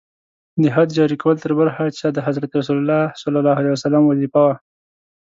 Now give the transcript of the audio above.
د حد جاري کول تر بل هر چا د حضرت رسول ص وظیفه وه.